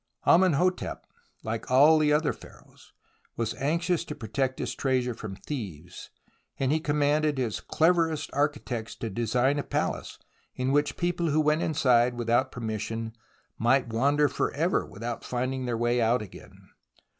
Amenhotep, like all the other Pharaohs, was anxious to protect his treasure from thieves, and he commanded his cleverest architects to design a palace in which people who went inside without permission might wander for ever without finding their way out again.